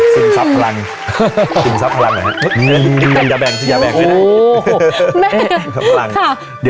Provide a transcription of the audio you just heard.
สินทรัพย์พลังสินทรัพย์พลังอะไรฮะอย่าแบ่งอย่าแบ่งด้วยนะโอ้โห